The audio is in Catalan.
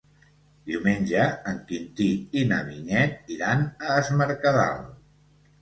Diumenge en Quintí i na Vinyet iran a Es Mercadal.